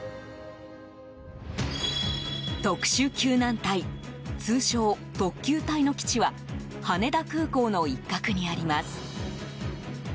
特殊救難隊、通称特救隊の基地は羽田空港の一角にあります。